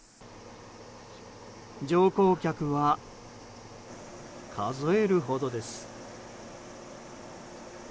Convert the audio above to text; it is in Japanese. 乗降客は、数えるほどです。